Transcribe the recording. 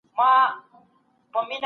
جوماتونو ته په پاکۍ لاړ شئ.